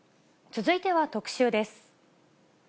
続いては特集です。